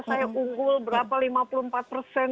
saya unggul berapa lima puluh empat persen